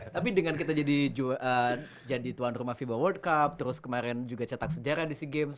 tapi dengan kita jadi tuan rumah fiba world cup terus kemarin juga cetak sejarah di sea games